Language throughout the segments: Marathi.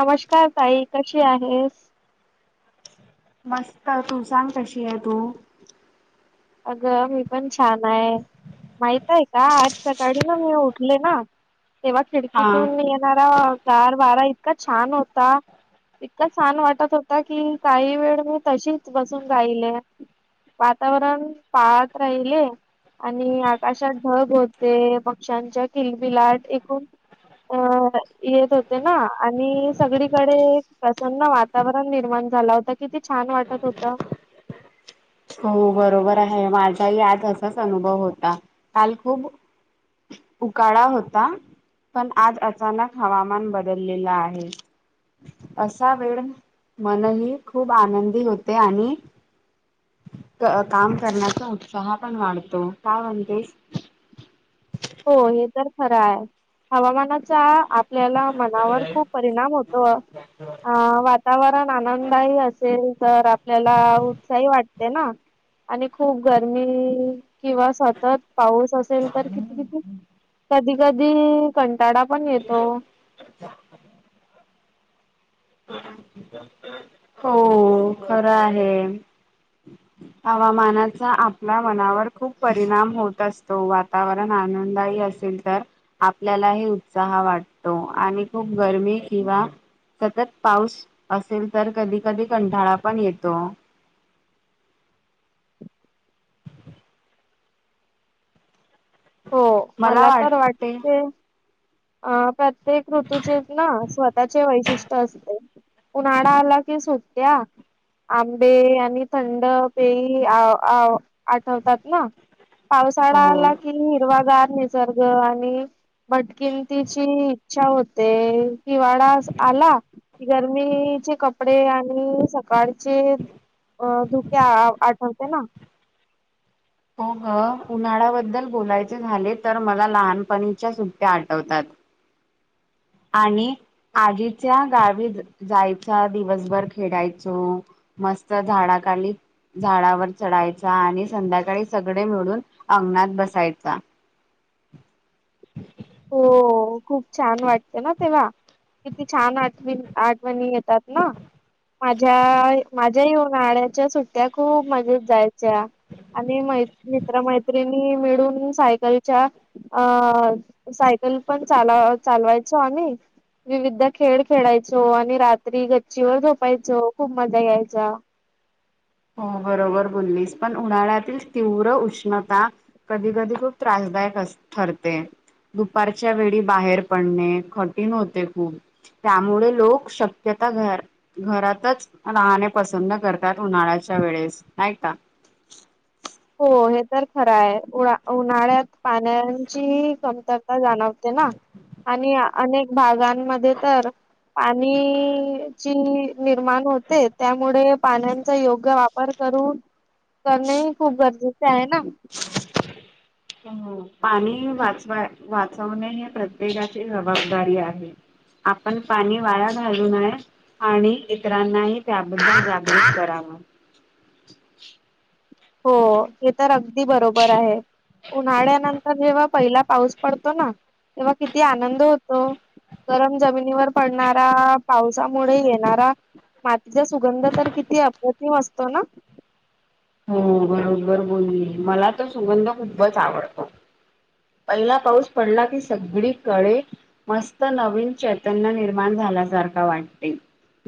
नमस्कार ताई कशी आहेस मस्त तू सांग कशी आहे तू अगं मी पण छान आहे माहितय का आज सकाळी ना मी उठले ना तेव्हा हा खिडकीतून येणारा गार वारा इतका छान होता इतका छान वाटत होता की काही वेळ मी तशीच बसून रायले वातावरण पाळत राहिले आणि आकाशात ढब होते पक्ष्यांच्या किलबिलात एकूण अ येत होते ना आणि सगळीकडे प्रसन्न वातावरण निर्माण झाला होता किती छान वाटत होत ह हो बरोबर आहे माझाही आत असाच अनुभव होता काल खूप उकाळाा होता पण आज अचानक हवामान बदललेलं आहे असा वेळ मनही खूप आनंदी होते आणि काम करण्याचा उत्साह पण वाढतो का म्हणतेस हो हे तर खरं आहे हवामानाचा आपल्याला मनावर खूप परिणाम होतो वातावरण पण आनंदही असेल तर आपल्याला उत्साही वाटते ना आणि खूप गरमी किंवा सतत पाऊस असेल तर किती किती कधी कधी कंटाळाा पण येतो ह हो खरं आहे हवामानाचा आपल्या मनावर खूप परिणाम होत असतो वातावरण आनंदयी अस तर आपल्यालाही उत्साह वाटतो आणि खूप गरमी किंवा सतत पाऊस असेल तर कधी कधी कंटाळा पण येतो हो मला तर वाटते अ प्रत्येक ऋतूचे ना स्वतःचे वैशिष्ट्य असते उन्हाळाा आला की सुट्या आंबे आणि थंड पेय आठवतात ना पावसाळा हो आला कि हिरवागार निसर्ग आणि मटकिन इच्छा होते किवाडा आला क गरमीचे कपडे आणि सकाळचे धुक्या आठवते ना भमममत हो उन्हाळ्याबद्दल बोलायचे झाले तर मला लहानपणीच्या सुट्ट्या आठवतात आणि आजीच्या गावी जायच्या दिवसभर खेळायचो मस्त झाडाखाली झाडावर चढायचा आणि संध्याकाळी सगळे मिळून अंगणात बसायचा ह् हो खूप छान वाटतें ना तेव्हा किती छान आठणी आठवणी येतात ना माझ्या माझ्या येऊनळ्याच्या सुट्ट्या खूप मजेत जायच अच्छा आणि मैत्री म्र मैत्रिणी मिळून सायकलच्या अ सायकल पण चाल चालवायचो आणि विविध खेळ खेळायचो आणि रात्री गच्चीवर झोपायचो खूप मजा यायच्या हो बरोबर बोललीस पण उन्हाळ्यातील तीव्र उष्णता कधी कधी खूप त्रास ठरते दुपारच्या वेळी बाहेर पडणे कठीण होते खूप त्यामुळे लोक शक्य घरातच राहणे पसंत करतात उन्हाळ्या अशा वेळेस आहे का हो हे तर खरं आहे उ उन्हाळ्यात पाण्याची कमतरता जाणवते ना आणि अनेक भागांमध्ये तर पाणी ची निर्माण होते त्यामुळे पाण्याचा योग्य वापर करून करणे ह खूप गरजेचे आहे ना पाणी वाचवा वाचवणे हे प्रत्येकाची जबाबदारी आहे आपण पाणी वाया घालू नये आणि इतरांनाही त्याबद्दल जागृत करावं हो हे तर अगदी बरोबर आहे उन्हाळ्यानंतर जेव्हा पहिला पाऊस पडतो ना तेव्हा किती आनंद होतो गरम जमिनीवर पडणारा पावसामुळे येणारा मातीचा सुगंध तर किती अप्रतिम असतो ना हो बरोबर बोलली मला तर सुगंध खूपच आवडतो पहिला पाऊस पडला की सगळी कळे मस्त नवीन चैतन्य निर्माण झा झाला सारखा वाटते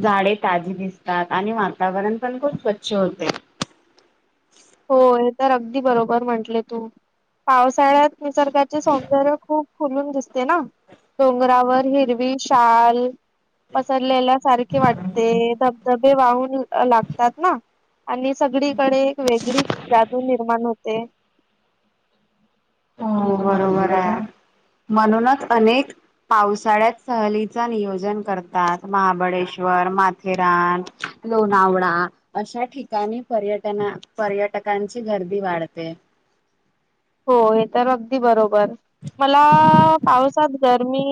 झाडे ताजी दिसतात आणि वातावरण पण खूप स्वच्छ होते हो हे तर अगदी बरोबर म्हंटले तू पास शाळात निसर्गाचे सौंदर्य खूप खुलून दिसते ना डोंगरावर हिरवी शाल पसरलेला सारखे वाटते धबधबे वाहून लागतात ना आणि सगळीकडे एक वेगळीच जादू निर्माण होते हो बरोबर आहे म्हणूनच अनेक पावसाळ्यात सहलीच नियोजन करतात महाबळेश्वर माथेरान लोणावळा अशा ठिकाणी पर्यटना पर्यटकांची गर्दी वाढते हो हे तर अगदी बरोबर मला पावसात गरमी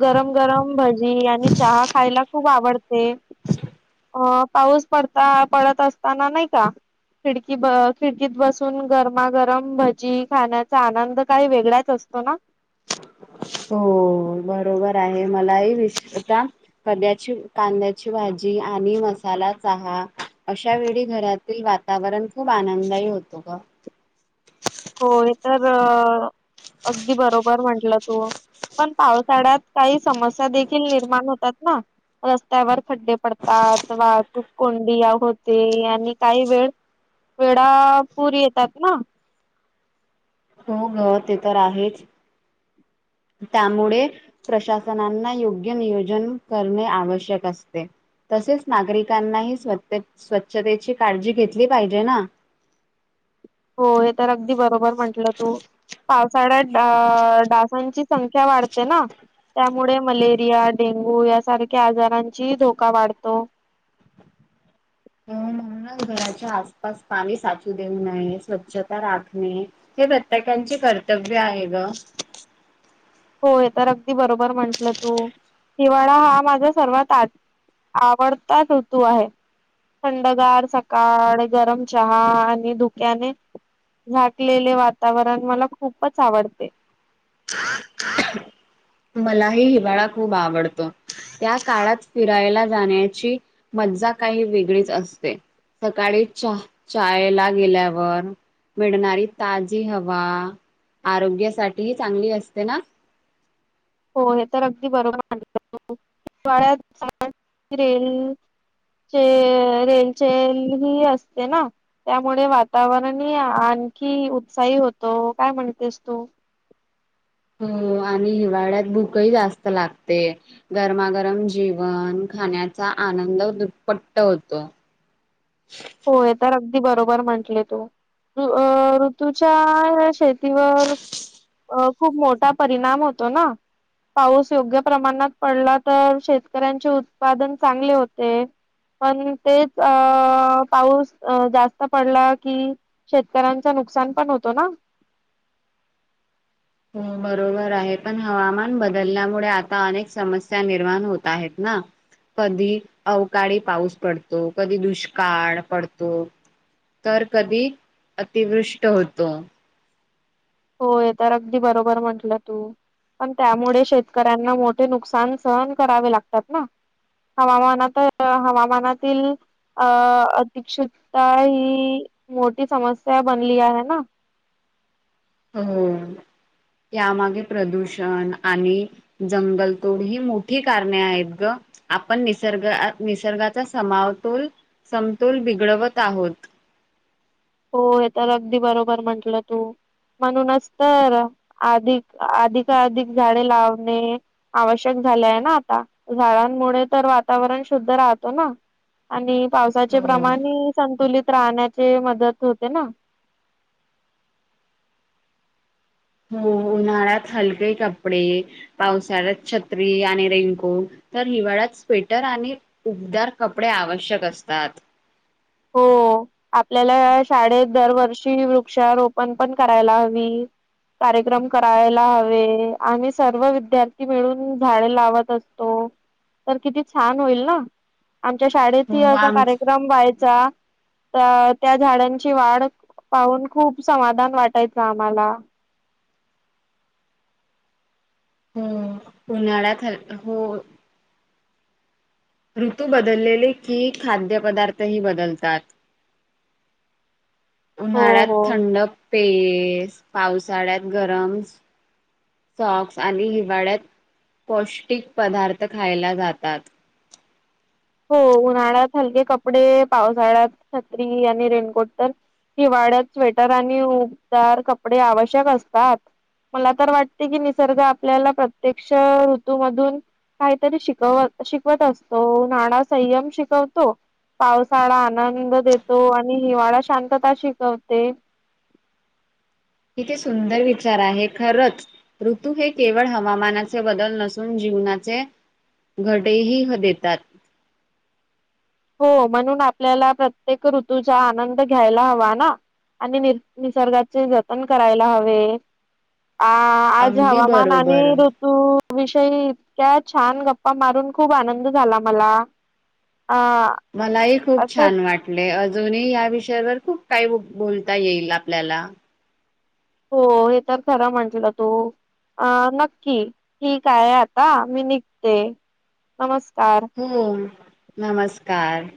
गरम गरम भजी आणि चहा खायला खूप खूप आवडते अ पाऊस पडता पडत असताना नाही का खिडकी ब खिडकीत बसून गरमागरम भजी खाण्याचा आनंद काही वेगळाच असतो ना हो बरोबर आहे मलाही विसता कद्याची कांद्याची भाजी आणि मसाला चहा अशा वेळी घरातील वातावरण खूप आनंदायी होतो ग [inaudible] हो हे तर अगदी बरोबर म्हंटलं तू पण पावसाळ्यात काही समस्या देखील निर्माण होतात ना रस्त्यावर खड्डे पडतात वाहतूक कोंडीया होते आणि काही वेळ वेडा पुर येतात ना हो ग ते तर आहेच त्यामुळे प्रशासनांना योग्य नियोजन करणे आवश्यक असते तसेच नागरिकांनाही स्व स्वच्छतेची काळजी घेतली पाहिजे ना [inaudible] हो हे तर अगदी बरोबर म्हंटलं तू पावसाळ्यात डासांची संख्या वाढते ना त्यामुळे मलेरिया डेंगु डेंगु याारख्या आजाराची धोका वाढतो हम्म घराच्या आसपास पाणी साचू देऊ नये स्वच्छता राखणे हे प्रत्येका कर्तव्य आहे ग होय तर अगदी बरोबर म्हंटलं तु हिवाळा हा माझा सर्वात आज आवडता ऋतू आहे थंडगार सकाळ गरम चहा आणि धुक्याने झाकलेले वातावरण मला खूपच आवडते मलाही हिवाळा खूप आवडतो त्या काळात फिरायला जाण्याची मजा काही वेगळीच असते सकाळी चायला गेल्यावर मिळणारी ताजी हवा आरोग्यासाठी ह चांगली असते ना हो हे तर अगदी बरोबर हवाळ्यात [unintelligible] चे रेनचेन ही असते ना त्यामुळे वातावरणने आणखी उत्साही होतो काय म्हणतेस तू ह [inaudible] हो आणि हिवाळ्यात भूकही जास्त लागते गरमागरम जेवन खाण्याचा आनंद दुपपट्ट होतो होय तर अगदी बरोबर म्हंटले तू अ ऋतूच्या शेतीवर अ खूप मोठा परिणाम होतो ना पाऊस योग्य प्रमाणात पडला तर शेतकऱ्यांचे उत्पादन चांगले होते पण तेच अ पाऊस जास्त पडला कि शेतकऱ्यांच नुकसान पण होतो ना [inaudible] हो बरोबर आहे पण हवामान बदलल्यामुळे आता अनेक समस्या निर्माण होत आहेत ना ह कधी अवकाळी पाऊस पडतो कधी दुष्काळ पडतो तर कधी अतिवृष्ट होतो हो य तर अगदी बरोबर म्हंटलं तू पण त्यामुळे शेतकऱ्यांना मोठे नुकसान सहन करावे लागतात ना हवामानात हवामानातील अ अिकक्षुकता ही मोठी समस्या बनली आहे आहे ना हम् यामागे प्रदूषण आणि जंगलतोड ही मोठी कारणे आहेत ग आपण निसर्ग निसर्गाचा समावतोल समतोल बिघडवत आहोत [inaudible] हो आ तर अगदी बरोबर म्हटलं तू म्हणूनच तर अधिक अधिकधिक झाडे लावणे आवश्यक झाय ना आता झाडांमुळे तर वातावरण शुद्ध राहतो ना आणि पावसाचे हो. प्रमाणे संतुलित राहण्याचे मदत होत ना हो उन्हाळ्यात हलके कपडे पावसाळ्यात छत्री आणि रेनको तर हिवाळ्यात स्वेटर आणि उबदार कपडे आवश्यक असतात हो आपल्याला शाळेत दरवर्षी वृक्षारोपण पण करायला हवी कार्यक्रम करायला हवे आम्ही सर्व विद्यार्थी मिळून झाडे लावत असतो तर किती छान होईल ना आमच्या शाळेतही हो असा आम कार्यक्रम व्हायचा अ त्या झाडांची वाढ पाहून खूप समाधान वाटायचं आम्हाला हो उन्हाळ्यात हो ऋतू बदललेले की खाद्यपदार्थही बदलतात हो उन्हाळ्यात हो. थंड पेस पावसाळ्यात गरम सॉक्स आली वाढत पौष्टिक पदार्थ खायला जातात हो उन्हाळ्यात हलके कपडे पावसाळ्यात छत्री आणि रेनकोट तर हिवाळ्यात स्वेटर आणि उबदार कपडे आवश्यक असतात मला तर वाटते की निसर्ग आपल्याला प्रत्यक्ष ऋतूमधून काहीतरी शिकवत शिकवत असतो नाड संयम शिकवतो पावसाळा आनंद देतो आणि हिवाळा शांतता शिकवते [inaudible] कि सुंदर विचार आहे खरच ऋतू हे केवळ हवामानाचे बदल नसून जीवनात घटही देतात हो म्हणून आपल्याला प्रत्येक ऋतूचा आनंद घ्यायला हवा ना आणि नि निसर्गाचे जतन करायला हवे अ आज अगदी हवामान बरोबर. आणि ऋतू विषयी इतक्या छान गप्पा मारून खूप आनंद झाला मला अ मलाही खूप असं छान वाटले जुनी या विषयावर खूप काही बोलता येईल आपल्याला हो हे तर खर म्हटलं तो अ नक्की ठीक आहे आता मी निघते नमस्कार हो नमस्कार